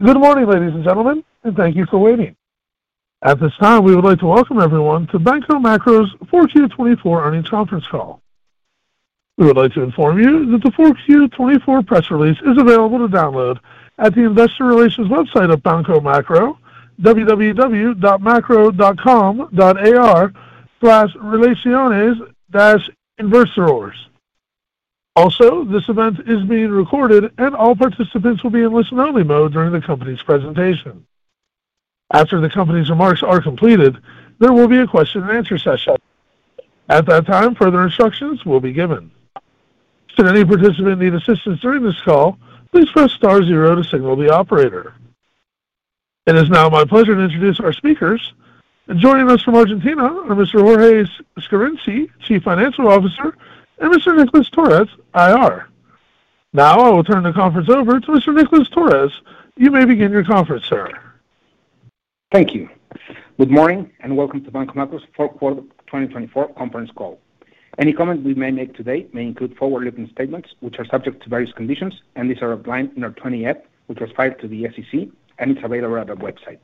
Good morning, ladies and gentlemen, and thank you for waiting. At this time, we would like to welcome everyone to Banco Macro's 4Q 2024 Earnings Conference Call. We would like to inform you that the 4Q 2024 press release is available to download at the investor relations website of Banco Macro, www.macro.com.ar/relaciones-inversores. Also, this event is being recorded, and all participants will be in listen-only mode during the company's presentation. After the company's remarks are completed, there will be a Q&A session. At that time, further instructions will be given. Should any participant need assistance during this call, please press star zero to signal the operator. It is now my pleasure to introduce our speakers. Joining us from Argentina are Mr. Jorge Scarinci, Chief Financial Officer, and Mr. Nicolás Torres, IR. Now, I will turn the conference over to Mr. Nicolás Torres. You may begin your conference, sir. Thank you. Good morning and welcome to Banco Macro's Fourth Quarter 2024 Conference Call. Any comments we may make today may include forward-looking statements, which are subject to various conditions, and these are outlined in our 20-F, which was filed to the SEC, and it's available at our website.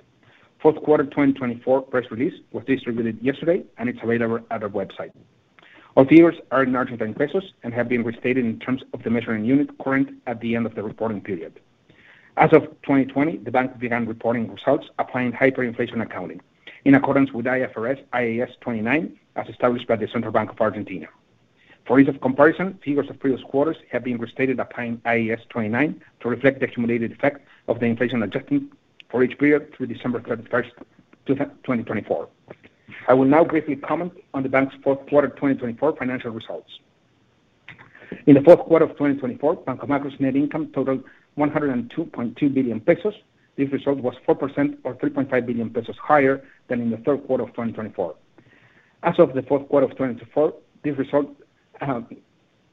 Fourth quarter 2024 press release was distributed yesterday, and it's available at our website. All figures are in Argentine pesos and have been restated in terms of the measuring unit current at the end of the reporting period. As of 2020, the bank began reporting results applying hyperinflation accounting in accordance with IFRS IAS 29, as established by the Central Bank of Argentina. For ease of comparison, figures of previous quarters have been restated applying IAS 29 to reflect the accumulated effect of the inflation adjustment for each period through December 31st, 2024. I will now briefly comment on the bank's fourth quarter 2024 financial results. In the fourth quarter of 2024, Banco Macro's net income totaled 102.2 billion pesos. This result was 4% or 3.5 billion pesos higher than in the third quarter of 2024. As of the fourth quarter of 2024, this result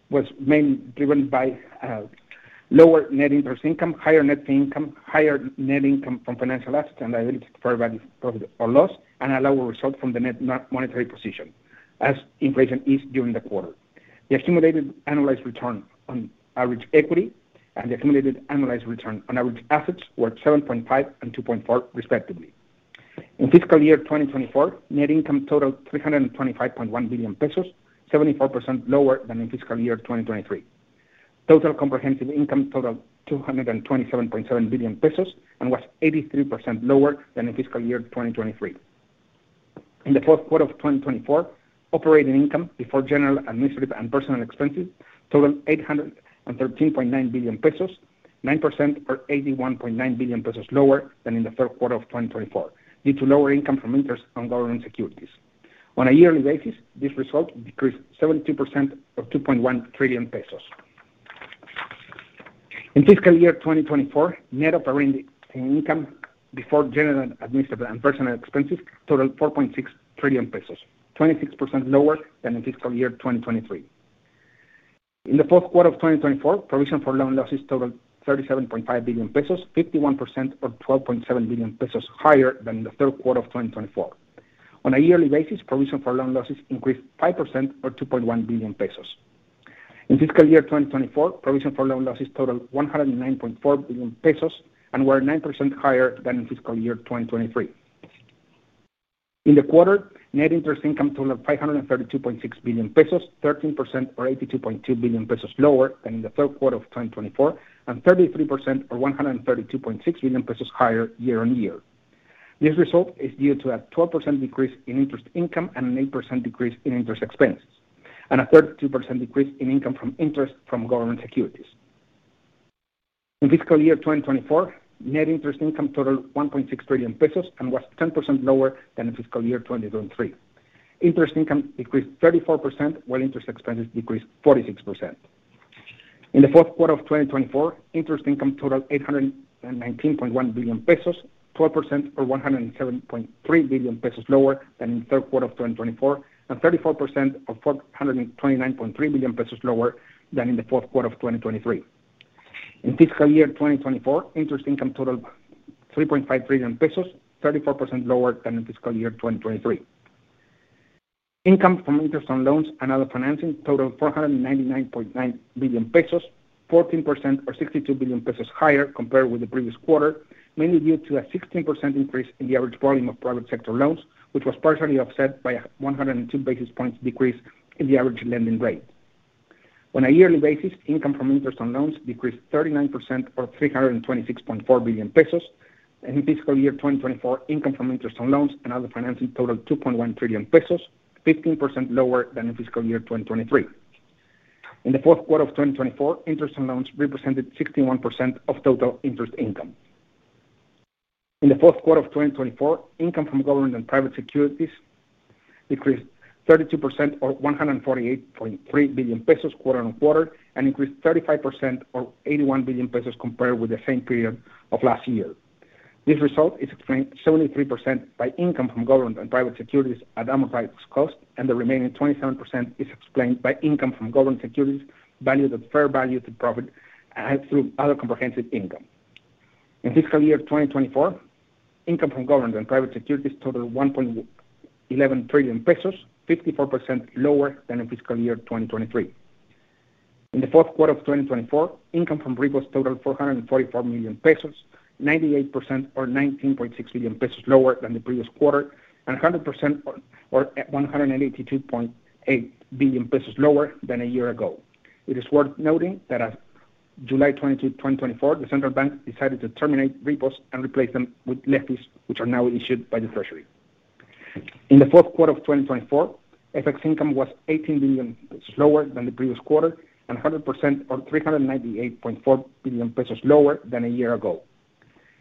was mainly driven by lower net interest income, higher net income, higher net income from financial assets and liabilities for fair value through profit or loss, and a lower result from the net monetary position, as inflation is during the quarter. The accumulated annualized return on average equity and the accumulated annualized return on average assets were 7.5 and 2.4, respectively. In fiscal year 2024, net income totaled 325.1 billion pesos, 74% lower than in fiscal year 2023. Total comprehensive income totaled 227.7 billion pesos and was 83% lower than in fiscal year 2023. In the fourth quarter of 2024, operating income before general administrative and personal expenses totaled 813.9 billion pesos, 9% or 81.9 billion pesos lower than in the third quarter of 2024 due to lower income from interest on government securities. On a yearly basis, this result decreased 72% or 2.1 trillion pesos. In fiscal year 2024, net operating income before general administrative and personal expenses totaled 4.6 trillion pesos, 26% lower than in fiscal year 2023. In the fourth quarter of 2024, provision for loan losses totaled 37.5 billion pesos, 51% or 12.7 billion pesos higher than in the third quarter of 2024. On a yearly basis, provision for loan losses increased 5% or 2.1 billion pesos. In fiscal year 2024, provision for loan losses totaled 109.4 billion pesos and were 9% higher than in fiscal year 2023. In the quarter, net interest income totaled 532.6 billion pesos, 13% or 82.2 billion pesos lower than in the third quarter of 2024, and 33% or 132.6 billion pesos higher year-on-year. This result is due to a 12% decrease in interest income and an 8% decrease in interest expenses, and a 32% decrease in income from interest from government securities. In fiscal year 2024, net interest income totaled 1.6 trillion pesos and was 10% lower than in fiscal year 2023. Interest income decreased 34% while interest expenses decreased 46%. In the fourth quarter of 2024, interest income totaled 819.1 billion pesos, 12% or 107.3 billion pesos lower than in the third quarter of 2024, and 34% or 429.3 billion pesos lower than in the fourth quarter of 2023. In fiscal year 2024, interest income totaled 3.5 trillion pesos, 34% lower than in fiscal year 2023. Income from interest on loans and other financing totaled 499.9 billion pesos, 14% or 62 billion pesos higher compared with the previous quarter, mainly due to a 16% increase in the average volume of private sector loans, which was partially offset by a 102 basis points decrease in the average lending rate. On a yearly basis, income from interest on loans decreased 39% or 326.4 billion pesos, and in fiscal year 2024, income from interest on loans and other financing totaled 2.1 trillion pesos, 15% lower than in fiscal year 2023. In the fourth quarter of 2024, interest on loans represented 61% of total interest income. In the fourth quarter of 2024, income from government and private securities decreased 32% or 148.3 billion pesos quarter-on-quarter and increased 35% or 81 billion pesos compared with the same period of last year. This result is explained 73% by income from government and private securities at amortized cost, and the remaining 27% is explained by income from government securities valued at fair value to profit through other comprehensive income. In fiscal year 2024, income from government and private securities totaled 1.11 trillion pesos, 54% lower than in fiscal year 2023. In the fourth quarter of 2024, income from repos totaled 444 million pesos, 98% or 19.6 billion pesos lower than the previous quarter, and 100% or 182.8 billion pesos lower than a year ago. It is worth noting that as of July 22, 2024, the Central Bank decided to terminate repos and replace them with LEFIs, which are now issued by the Treasury. In the fourth quarter of 2024, FX income was 18 billion lower than the previous quarter and 100% or 398.4 billion pesos lower than a year ago.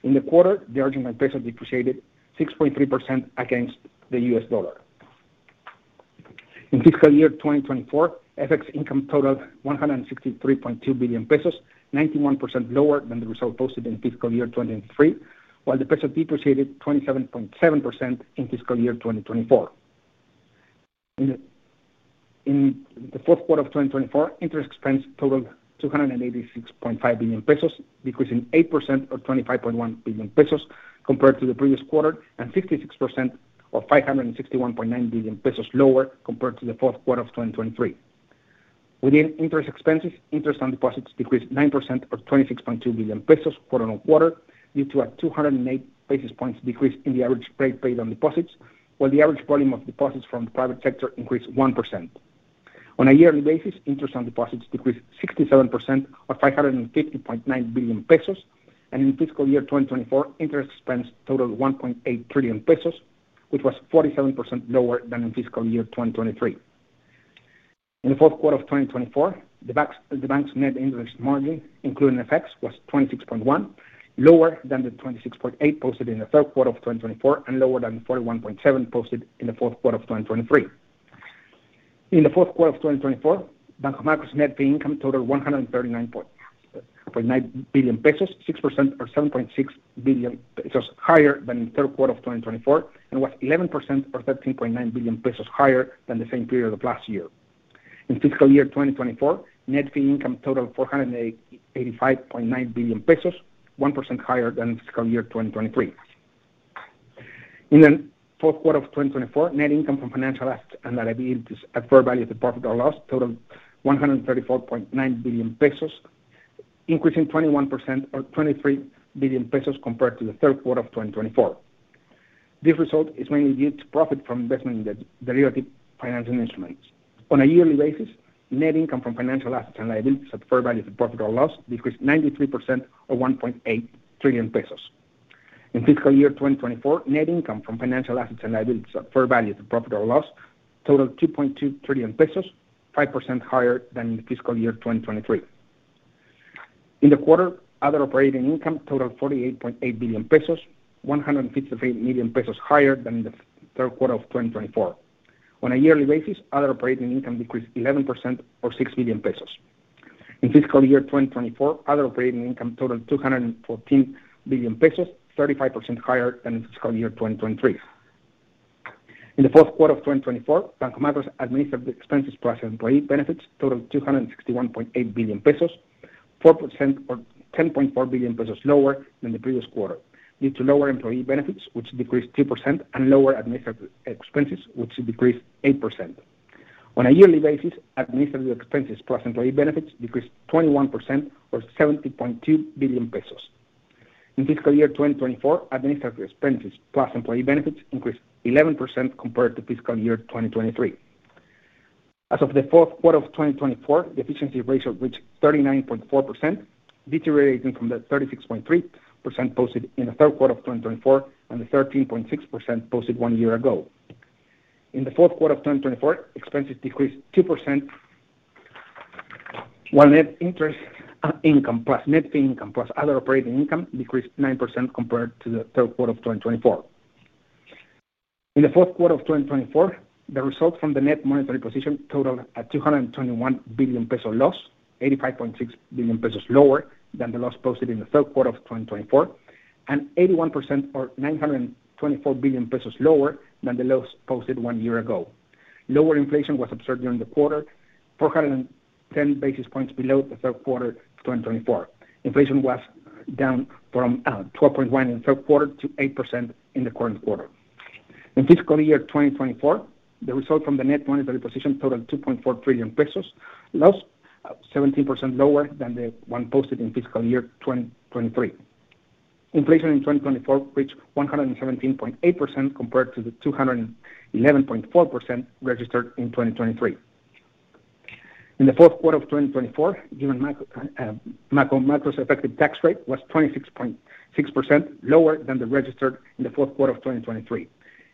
In the quarter, the Argentine peso depreciated 6.3% against the US dollar. In fiscal year 2024, FX income totaled 163.2 billion pesos, 91% lower than the result posted in fiscal year 2023, while the peso depreciated 27.7% in fiscal year 2024. In the fourth quarter of 2024, interest expense totaled 286.5 billion pesos, decreasing 8% or 25.1 billion pesos compared to the previous quarter, and 56% or 561.9 billion pesos lower compared to the fourth quarter of 2023. Within interest expenses, interest on deposits decreased 9% or 26.2 billion pesos quarter-on-quarter due to a 208 basis points decrease in the average rate paid on deposits, while the average volume of deposits from the private sector increased 1%. On a yearly basis, interest on deposits decreased 67% or 550.9 billion pesos, and in fiscal year 2024, interest expense totaled 1.8 trillion pesos, which was 47% lower than in fiscal year 2023. In the fourth quarter of 2024, the bank's net interest margin, including FX, was 26.1, lower than the 26.8 posted in the third quarter of 2024 and lower than 41.7 posted in the fourth quarter of 2023. In the fourth quarter of 2024, Banco Macro's net income totaled 139.9 billion pesos, 6% or 7.6 billion pesos higher than in the third quarter of 2024, and was 11% or 13.9 billion pesos higher than the same period of last year. In fiscal year 2024, net income totaled 485.9 billion pesos, 1% higher than in fiscal year 2023. In the fourth quarter of 2024, net income from financial assets and liabilities at fair value to profit or loss totaled 134.9 billion pesos, increasing 21% or 23 billion pesos compared to the third quarter of 2024. This result is mainly due to profit from investment in derivative financing instruments. On a yearly basis, net income from financial assets and liabilities at fair value to profit or loss decreased 93% or 1.8 trillion pesos. In fiscal year 2024, net income from financial assets and liabilities at fair value to profit or loss totaled 2.2 trillion pesos, 5% higher than in fiscal year 2023. In the quarter, other operating income totaled 48.8 billion pesos, 153 million pesos higher than in the third quarter of 2024. On a yearly basis, other operating income decreased 11% or 6 billion pesos. In fiscal year 2024, other operating income totaled 214 billion pesos, 35% higher than in fiscal year 2023. In the fourth quarter of 2024, Banco Macro's administrative expenses plus employee benefits totaled 261.8 billion pesos, 4% or 10.4 billion pesos lower than the previous quarter, due to lower employee benefits, which decreased 2%, and lower administrative expenses, which decreased 8%. On a yearly basis, administrative expenses plus employee benefits decreased 21% or 70.2 billion pesos. In fiscal year 2024, administrative expenses plus employee benefits increased 11% compared to fiscal year 2023. As of the fourth quarter of 2024, the efficiency ratio reached 39.4%, deteriorating from the 36.3% posted in the third quarter of 2024 and the 13.6% posted one year ago. In the fourth quarter of 2024, expenses decreased 2%, while net interest income plus net income plus other operating income decreased 9% compared to the third quarter of 2024. In the fourth quarter of 2024, the result from the net monetary position totaled a 221 billion peso loss, 85.6 billion pesos lower than the loss posted in the third quarter of 2024, and 81% or 924 billion pesos lower than the loss posted one year ago. Lower inflation was observed during the quarter, 410 basis points below the third quarter of 2024. Inflation was down from 12.1% in the third quarter to 8% in the current quarter. In fiscal year 2024, the result from the net monetary position totaled 2.4 trillion pesos, loss 17% lower than the one posted in fiscal year 2023. Inflation in 2024 reached 117.8% compared to the 211.4% registered in 2023. In the fourth quarter of 2024, Banco Macro's effective tax rate was 26.6% lower than the registered in the fourth quarter of 2023.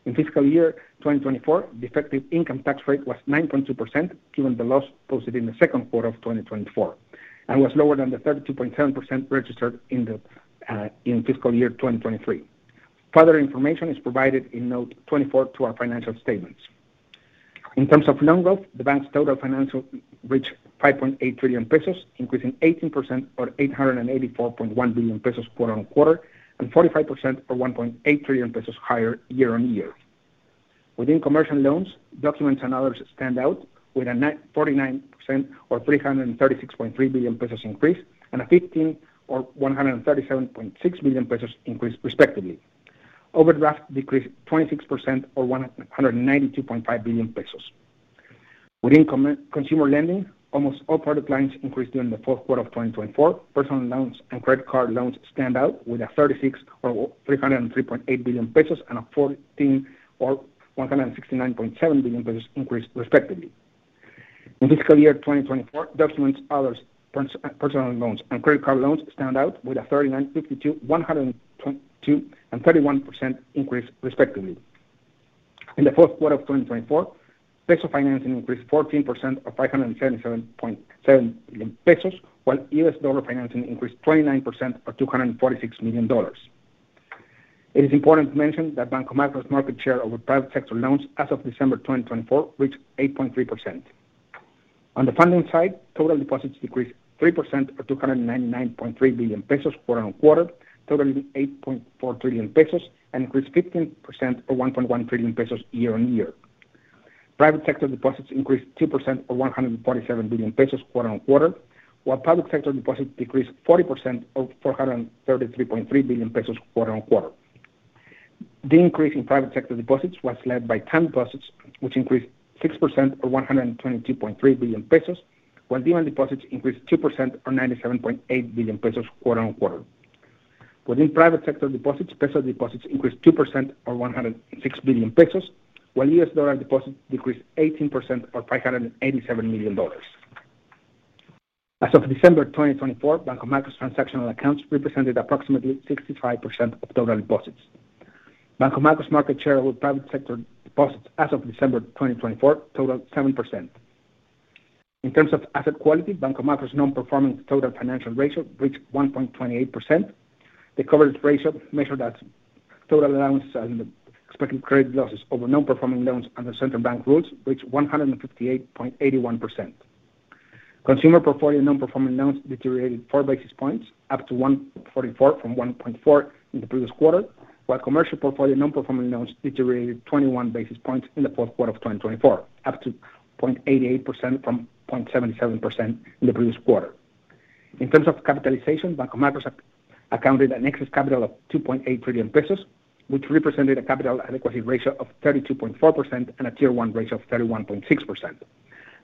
In fiscal year 2024, the effective income tax rate was 9.2% given the loss posted in the second quarter of 2024 and was lower than the 32.7% registered in fiscal year 2023. Further information is provided in note 24 to our financial statements. In terms of loan growth, the bank's total financial reached 5.8 trillion pesos, increasing 18% or 884.1 billion pesos quarter-on-quarter and 45% or 1.8 trillion pesos higher year-on-year. Within commercial loans, documents and others stand out with a 49% or 336.3 billion pesos increase and a 15% or 137.6 billion pesos increase, respectively. Overdraft decreased 26% or 192.5 billion pesos. Within consumer lending, almost all product lines increased during the fourth quarter of 2024. Personal loans and credit card loans stand out with a 36% or 303.8 billion pesos and a 14% or 169.7 billion pesos increase, respectively. In fiscal year 2024, documents, others, personal loans and credit card loans stand out with a 39%, 52%, 122%, and 31% increase, respectively. In the fourth quarter of 2024, peso financing increased 14% or 577.7 billion pesos, while US dollar financing increased 29% or $246 million. It is important to mention that Banco Macro's market share over private sector loans as of December 2024 reached 8.3%. On the funding side, total deposits decreased 3% or 299.3 billion pesos quarter-on-quarter, totaling 8.4 trillion pesos, and increased 15% or 1.1 trillion pesos year-on-year. Private sector deposits increased 2% or 147 billion pesos quarter-on-quarter, while public sector deposits decreased 40% or 433.3 billion pesos quarter-on-quarter. The increase in private sector deposits was led by time deposits, which increased 6% or 122.3 billion pesos, while demand deposits increased 2% or 97.8 billion pesos quarter-on-quarter. Within private sector deposits, peso deposits increased 2% or 106 billion pesos, while US dollar deposits decreased 18% or $587 million. As of December 2024, Banco Macro's transactional accounts represented approximately 65% of total deposits. Banco Macro's market share over private sector deposits as of December 2024 totaled 7%. In terms of asset quality, Banco Macro's non-performing total financial ratio reached 1.28%. The coverage ratio measured as total allowances and expected credit losses over non-performing loans under Central Bank rules reached 158.81%. Consumer portfolio non-performing loans deteriorated 4 basis points, up to 1.44 from 1.4 in the previous quarter, while commercial portfolio non-performing loans deteriorated 21 basis points in the fourth quarter of 2024, up to 0.88% from 0.77% in the previous quarter. In terms of capitalization, Banco Macro's accounted an excess capital of 2.8 trillion pesos, which represented a Capital Adequacy Ratio of 32.4% and a Tier 1 Ratio of 31.6%.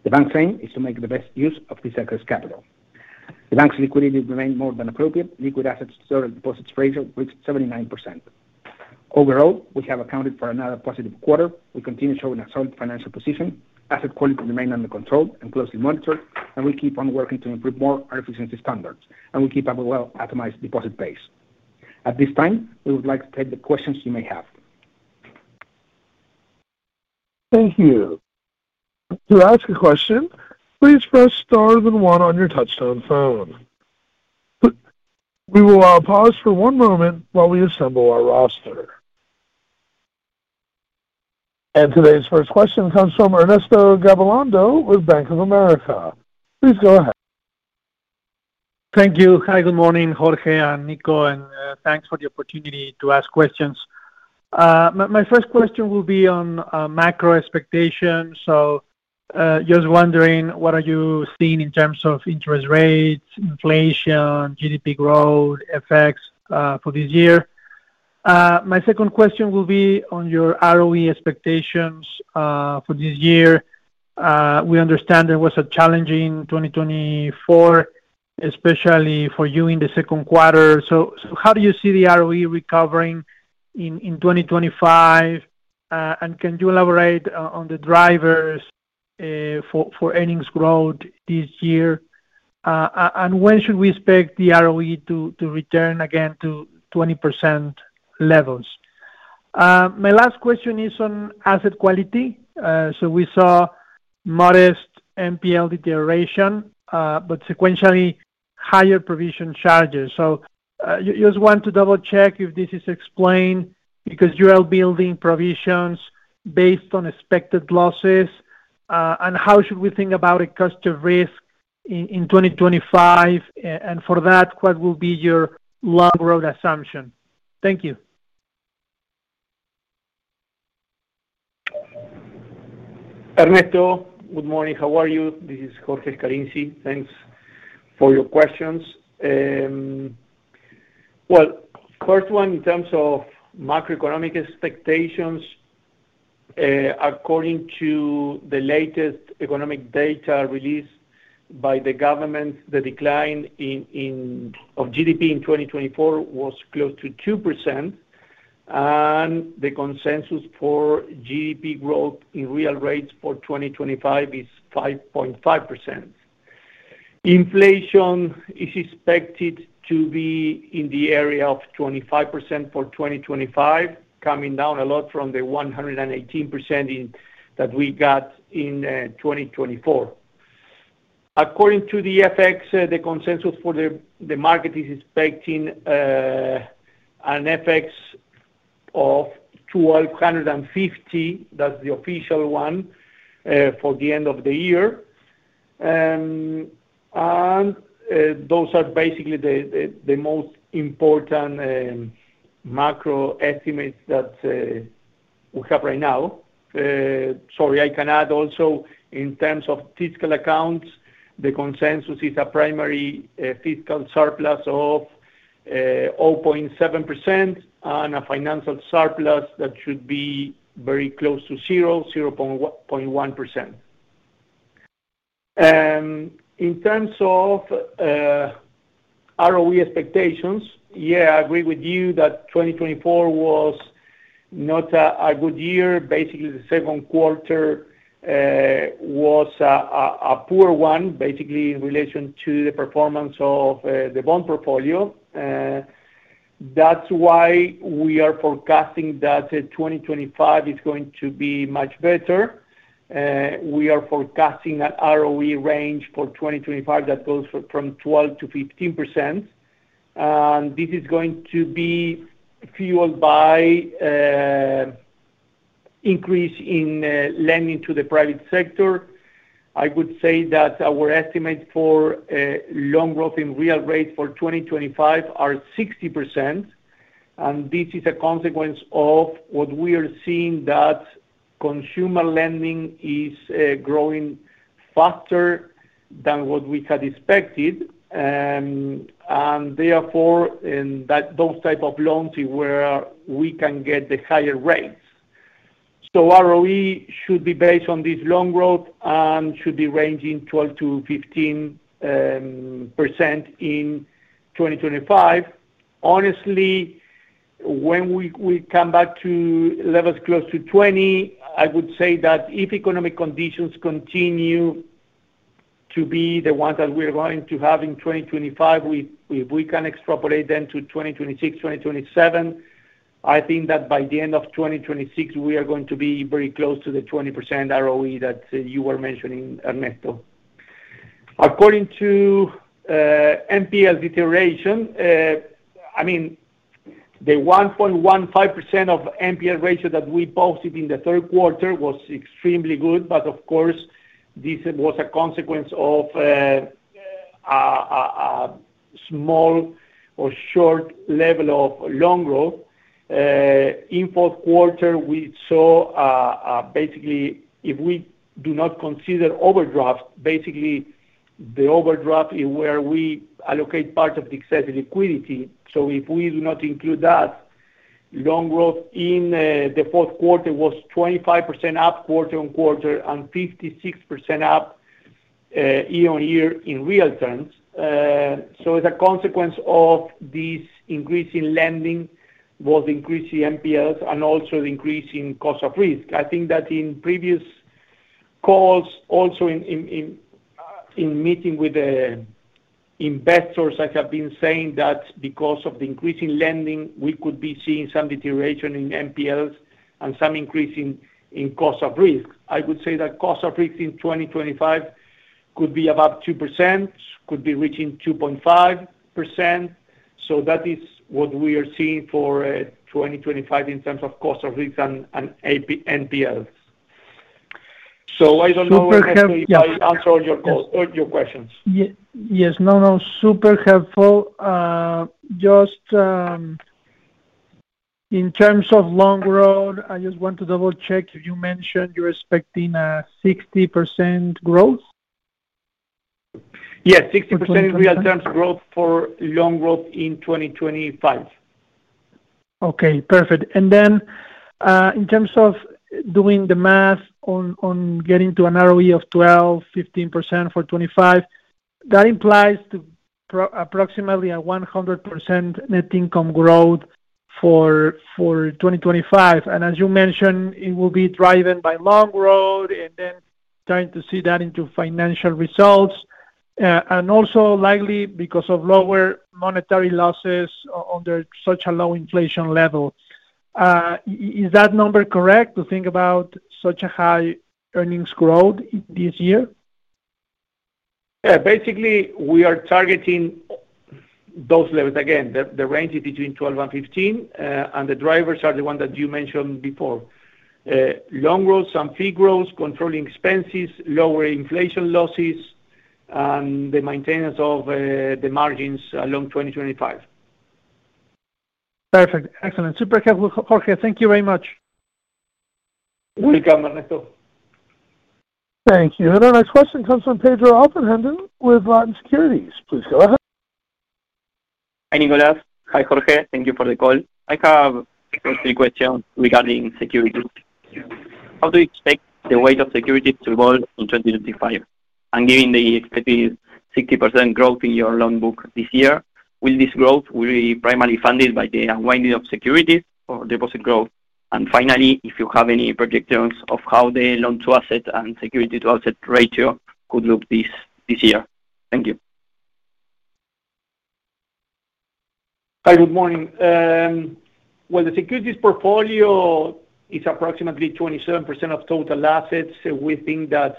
The bank's aim is to make the best use of this excess capital. The bank's liquidity remained more than appropriate. Liquid assets to total deposits ratio reached 79%. Overall, we have accounted for another positive quarter. We continue showing a solid financial position. Asset quality remained under control and closely monitored, and we keep on working to improve more our efficiency standards, and we keep a well-optimized deposit base. At this time, we would like to take the questions you may have. Thank you. To ask a question, please press star then one on your touch-tone phone. We will pause for one moment while we assemble our roster. Today's first question comes from Ernesto Gabilondo with Bank of America. Please go ahead. Thank you. Hi, good morning, Jorge and Nico, and thanks for the opportunity to ask questions. My first question will be on macro expectations. So just wondering, what are you seeing in terms of interest rates, inflation, GDP growth, effects for this year? My second question will be on your ROE expectations for this year. We understand there was a challenging 2024, especially for you in the second quarter. So how do you see the ROE recovering in 2025? And can you elaborate on the drivers for earnings growth this year? When should we expect the ROE to return again to 20% levels? My last question is on asset quality. We saw modest NPL deterioration, but sequentially higher provision charges. I just want to double-check if this is explained because you are building provisions based on expected losses. How should we think about a cost of risk in 2025? For that, what will be your long-run assumption? Thank you. Ernesto, good morning. How are you? This is Jorge Scarinci. Thanks for your questions. Well, first one, in terms of macroeconomic expectations, according to the latest economic data released by the government, the decline of GDP in 2024 was close to 2%. The consensus for GDP growth in real terms for 2025 is 5.5%. Inflation is expected to be in the area of 25% for 2025, coming down a lot from the 118% that we got in 2024. According to the FX, the consensus for the market is expecting an FX of 1,250. That's the official one for the end of the year. Those are basically the most important macro estimates that we have right now. Sorry, I can add also in terms of fiscal accounts, the consensus is a primary fiscal surplus of 0.7% and a financial surplus that should be very close to zero, 0.1%. In terms of ROE expectations, yeah, I agree with you that 2024 was not a good year. Basically, the second quarter was a poor one, basically in relation to the performance of the bond portfolio. That's why we are forecasting that 2025 is going to be much better. We are forecasting an ROE range for 2025 that goes from 12%-15%, and this is going to be fueled by an increase in lending to the private sector. I would say that our estimate for loan growth in real terms for 2025 is 60%, and this is a consequence of what we are seeing, that consumer lending is growing faster than what we had expected, and therefore, those types of loans where we can get the higher rates, so ROE should be based on this loan growth and should be ranging 12%-15% in 2025. Honestly, when we come back to levels close to 20%, I would say that if economic conditions continue to be the ones that we are going to have in 2025, if we can extrapolate them to 2026, 2027, I think that by the end of 2026, we are going to be very close to the 20% ROE that you were mentioning, Ernesto. According to NPL deterioration, I mean, the 1.15% of NPL ratio that we posted in the third quarter was extremely good, but of course, this was a consequence of a small or short level of loan growth. In fourth quarter, we saw basically if we do not consider overdraft, basically the overdraft is where we allocate part of the excess liquidity. So if we do not include that, loan growth in the fourth quarter was 25% up quarter-on-quarter and 56% up year-on-year in real terms. So as a consequence of this increase in lending, both the increase in NPLs and also the increase in cost of risk. I think that in previous calls, also in meetings with the investors, I have been saying that because of the increase in lending, we could be seeing some deterioration in NPLs and some increase in cost of risk. I would say that cost of risk in 2025 could be about 2%, could be reaching 2.5%. So that is what we are seeing for 2025 in terms of cost of risk and NPLs. So I don't know if I answered all your questions. Yes. No, no. Super helpful. Just in terms of loan growth, I just want to double-check if you mentioned you're expecting a 60% growth? Yes, 60% in real terms growth for loan growth in 2025. Okay. Perfect. And then in terms of doing the math on getting to an ROE of 12%-15% for 2025, that implies approximately a 100% net income growth for 2025. And as you mentioned, it will be driven by loan growth and then trying to translate that into financial results. And also likely because of lower monetary losses under such a low inflation level. Is that number correct to think about such a high earnings growth this year? Basically, we are targeting those levels. Again, the range is between 12% and 15%, and the drivers are the ones that you mentioned before: loan growth, some fee growth, controlling expenses, lower inflation losses, and the maintenance of the margins along 2025. Perfect. Excellent. Super helpful. Jorge, thank you very much. Welcome, Ernesto. Thank you. Our next question comes from Pedro Offenhenden with Latin Securities. Please go ahead. Hi, Nicolás. Hi, Jorge. Thank you for the call. I have a question regarding securities. How do you expect the weight of securities to evolve in 2025? And given the expected 60% growth in your loan book this year, will this growth be primarily funded by the unwinding of securities or deposit growth? And finally, if you have any projections of how the loan-to-asset and security-to-asset ratio could look this year. Thank you. Hi, good morning. The securities portfolio is approximately 27% of total assets. We think that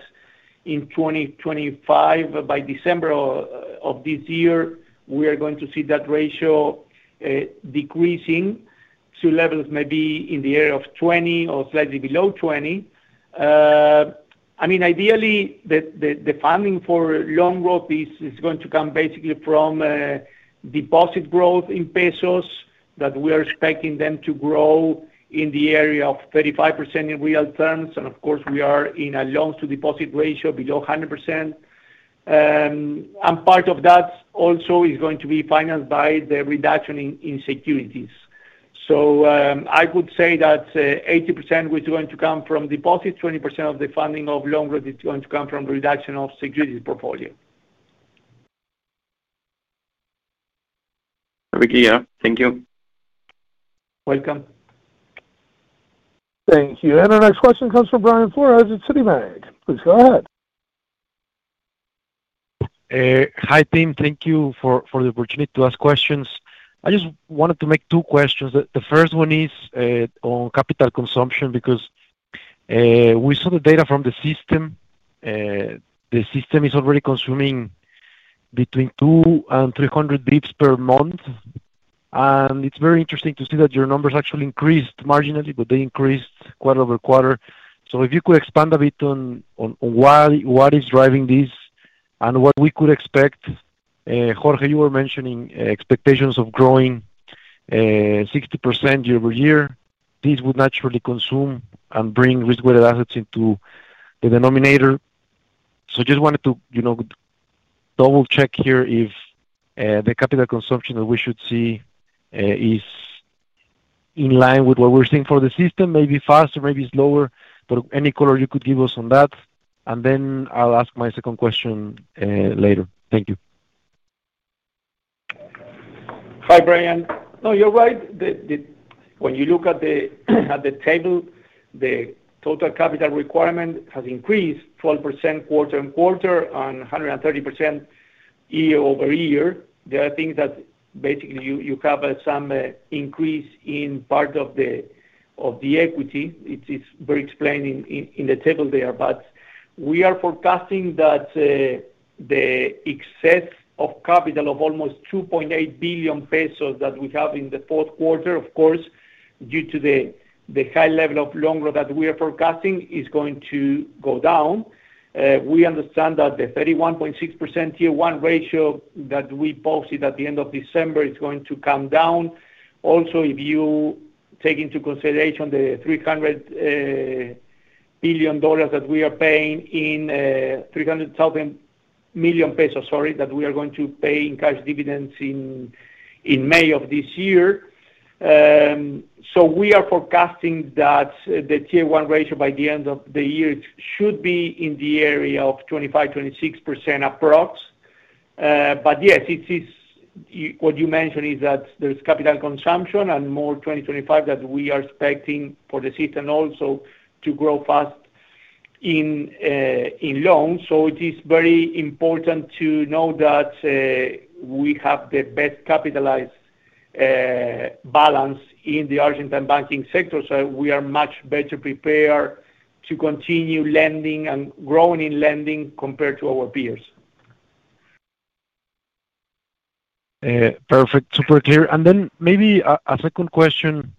in 2025, by December of this year, we are going to see that ratio decreasing to levels maybe in the area of 20% or slightly below 20%. I mean, ideally, the funding for loan growth is going to come basically from deposit growth in pesos that we are expecting to grow in the area of 35% in real terms. And of course, we are in a loan-to-deposit ratio below 100%. And part of that also is going to be financed by the reduction in securities. So I would say that 80% is going to come from deposits, 20% of the funding of loan growth is going to come from reduction of securities portfolio. Thank you. Welcome. Thank you. And our next question comes from Brian Flores at Citibank. Please go ahead. Hi, team. Thank you for the opportunity to ask questions. I just wanted to make two questions. The first one is on capital consumption because we saw the data from the system. The system is already consuming between 200 and 300 basis points per month. It's very interesting to see that your numbers actually increased marginally, but they increased quarter-over-quarter. So if you could expand a bit on what is driving this and what we could expect. Jorge, you were mentioning expectations of growing 60% year-over-year. This would naturally consume and bring risk-weighted assets into the denominator. So I just wanted to double-check here if the capital consumption that we should see is in line with what we're seeing for the system, maybe faster, maybe slower. But any color you could give us on that? And then I'll ask my second question later. Thank you. Hi, Brian. No, you're right. When you look at the table, the total capital requirement has increased 12% quarter-on-quarter and 130% year-over-year. There are things that basically you have some increase in part of the equity. It's very explained in the table there. But we are forecasting that the excess of capital of almost 2.8 billion pesos that we have in the fourth quarter, of course, due to the high level of loan growth that we are forecasting, is going to go down. We understand that the 31.6% Tier 1 ratio that we posted at the end of December is going to come down. Also, if you take into consideration the $300 billion that we are paying in 300,000 million pesos, sorry, that we are going to pay in cash dividends in May of this year. So we are forecasting that the Tier 1 ratio by the end of the year should be in the area of 25%-26% approx. But yes, what you mentioned is that there's capital consumption and more in 2025 that we are expecting for the system also to grow fast in loans. It is very important to know that we have the best capitalized balance in the Argentine banking sector. We are much better prepared to continue lending and growing in lending compared to our peers. Perfect. Super clear. Then maybe a second question,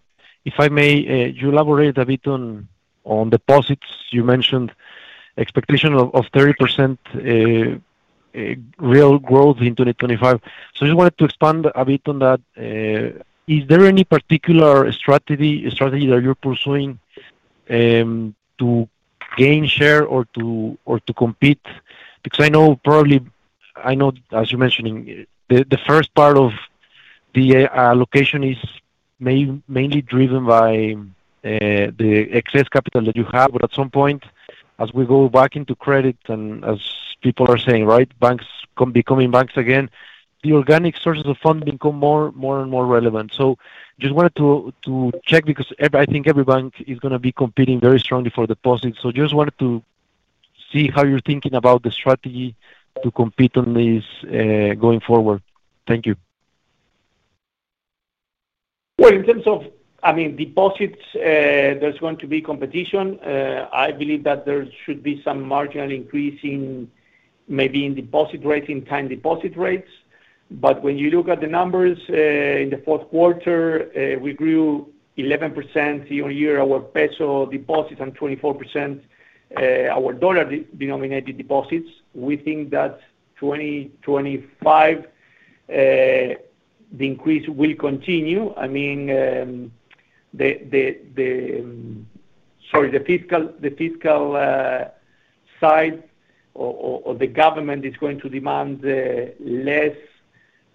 if I may. You elaborate a bit on deposits. You mentioned expectation of 30% real growth in 2025. I just wanted to expand a bit on that. Is there any particular strategy that you're pursuing to gain share or to compete? Because I know probably, as you mentioned, the first part of the allocation is mainly driven by the excess capital that you have. But at some point, as we go back into credits and as people are saying, right, banks becoming banks again, the organic sources of funding become more and more relevant. So just wanted to check because I think every bank is going to be competing very strongly for deposits. So just wanted to see how you're thinking about the strategy to compete on this going forward? Thank you. Well, in terms of, I mean, deposits, there's going to be competition. I believe that there should be some marginal increase in maybe in deposit rates, in kind deposit rates. But when you look at the numbers in the fourth quarter, we grew 11% year-on-year our peso deposits and 24% our dollar-denominated deposits. We think that 2025, the increase will continue. I mean, sorry, the fiscal side or the government is going to demand less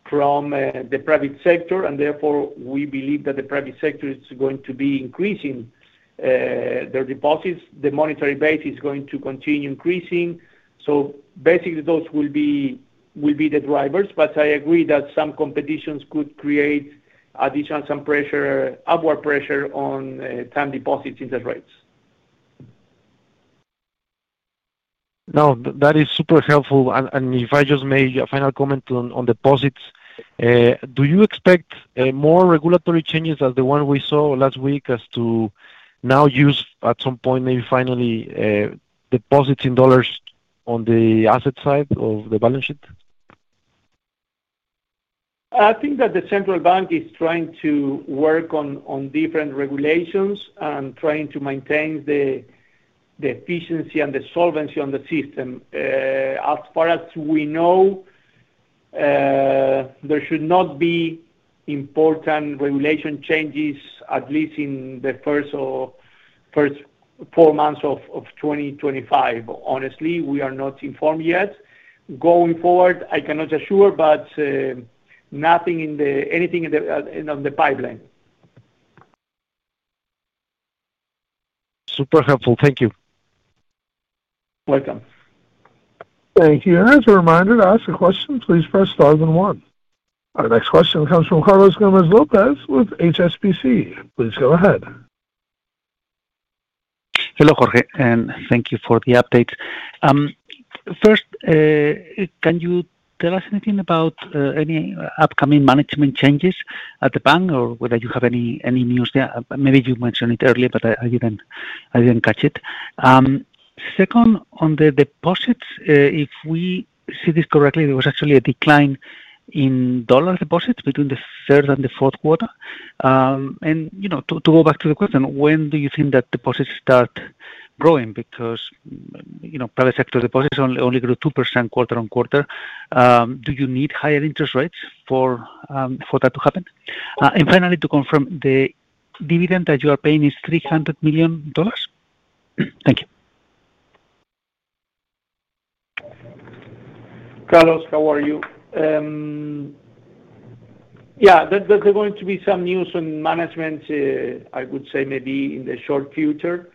from the private sector. And therefore, we believe that the private sector is going to be increasing their deposits. The monetary base is going to continue increasing. So basically, those will be the drivers. But I agree that some competitions could create additional pressure, upward pressure on deposit interest rates. No, that is super helpful. If I just may, a final comment on deposits. Do you expect more regulatory changes as the one we saw last week as to now use at some point maybe finally deposits in dollars on the asset side of the balance sheet? I think that the central bank is trying to work on different regulations and trying to maintain the efficiency and the solvency of the system. As far as we know, there should not be important regulation changes, at least in the first four months of 2025. Honestly, we are not informed yet. Going forward, I cannot assure, but nothing in the pipeline. Super helpful. Thank you. Welcome. Thank you. As a reminder, to ask a question, please press star then one. Our next question comes from Carlos Gomez-López with HSBC. Please go ahead. Hello, Jorge. And thank you for the update. First, can you tell us anything about any upcoming management changes at the bank or whether you have any news there? Maybe you mentioned it earlier, but I didn't catch it. Second, on the deposits, if we see this correctly, there was actually a decline in dollar deposits between the third and the fourth quarter. And to go back to the question, when do you think that deposits start growing? Because private sector deposits only grew 2% quarter-on-quarter. Do you need higher interest rates for that to happen? And finally, to confirm, the dividend that you are paying is $300 million? Thank you. Carlos, how are you? Yeah. There's going to be some news on management. I would say maybe in the short future,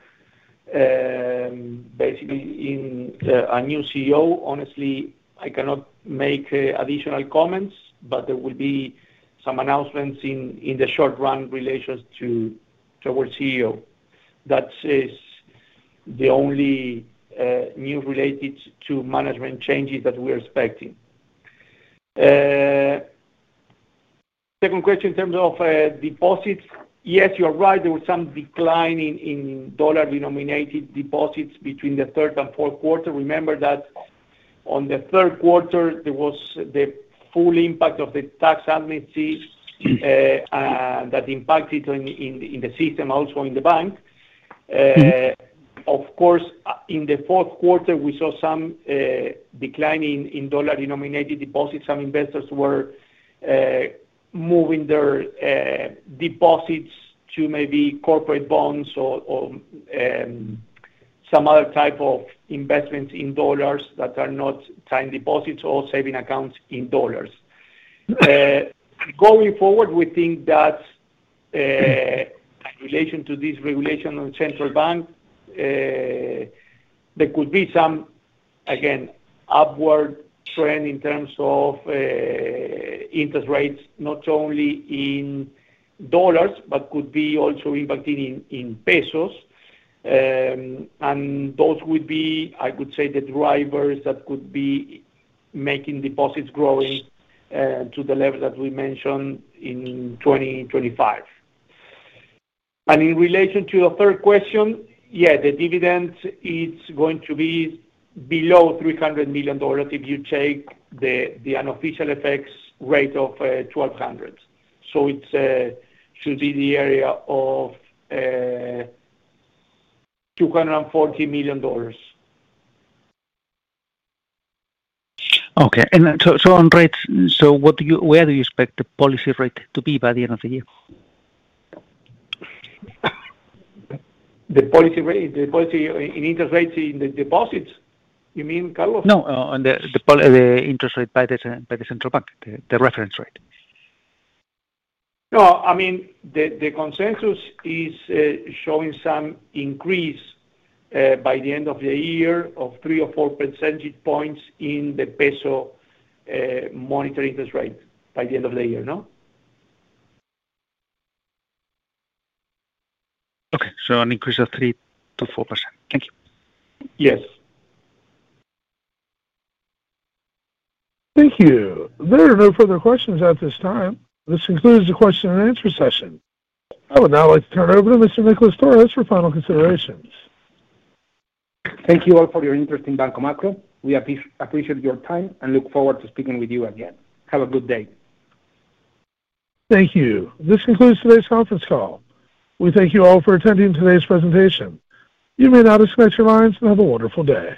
basically in a new CEO. Honestly, I cannot make additional comments, but there will be some announcements in the short run in relation to our CEO. That is the only news related to management changes that we are expecting. Second question in terms of deposits. Yes, you're right. There was some decline in dollar-denominated deposits between the third and fourth quarter. Remember that on the third quarter, there was the full impact of the tax amnesty that impacted in the system, also in the bank. Of course, in the fourth quarter, we saw some decline in dollar-denominated deposits. Some investors were moving their deposits to maybe corporate bonds or some other type of investments in dollars that are not fixed deposits or savings accounts in dollars. Going forward, we think that in relation to this regulation on central bank, there could be some, again, upward trend in terms of interest rates, not only in dollars, but could be also impacted in pesos. Those would be, I would say, the drivers that could be making deposits growing to the level that we mentioned in 2025. In relation to the third question, yeah, the dividend, it's going to be below $300 million if you take the unofficial FX rate of 1,200. So it should be the area of $240 million. Okay. On rates, so where do you expect the policy rate to be by the end of the year? The policy rate? The policy in interest rates in the deposits, you mean, Carlos? No, the interest rate by the central bank, the reference rate. No, I mean, the consensus is showing some increase by the end of the year of 3 or 4 percentage points in the peso monetary interest rate by the end of the year, no? Okay. So an increase of 3%-4%. Thank you. Yes. Thank you. There are no further questions at this time. This concludes the question and answer session. I would now like to turn it over to Mr. Nicolás Torres for final considerations. Thank you all for your interest in Banco Macro. We appreciate your time and look forward to speaking with you again. Have a good day. Thank you. This concludes today's conference call. We thank you all for attending today's presentation. You may now disconnect your lines and have a wonderful day.